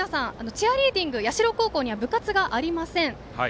チアリーディング社高校には部活がありません。